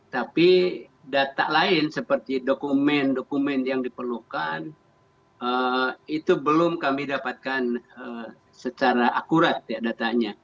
tapi data lain seperti dokumen dokumen yang diperlukan itu belum kami dapatkan secara akurat datanya